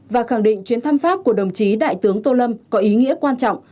và khẳng định chuyến thăm pháp của đồng chí đại tướng tô lâm có ý nghĩa quan trọng